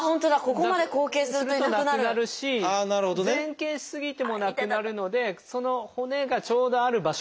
なくなるし前傾し過ぎてもなくなるのでその骨がちょうどある場所。